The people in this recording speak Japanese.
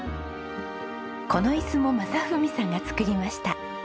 この椅子も正文さんが作りました。